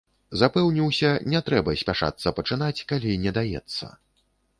Запэўніўся, не трэба спяшацца пачынаць, калі не даецца.